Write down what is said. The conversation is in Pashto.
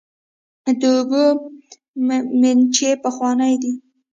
د اوبو میچنې پخوانۍ دي.